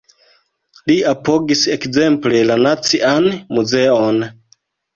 Li apogis ekzemple la Nacian Muzeon.